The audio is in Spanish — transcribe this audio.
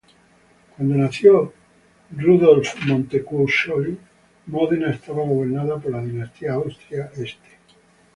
Cuando nació Rudolf Montecuccoli, Módena estaba gobernada por la dinastía Austria-Este.